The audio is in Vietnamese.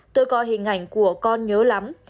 tôi có hình ảnh của con nhớ lắm